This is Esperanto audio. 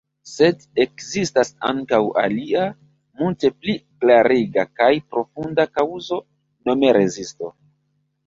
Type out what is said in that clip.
Sed ekzistas ankaŭ alia, multe pli klariga kaj profunda kaŭzo, nome rezisto.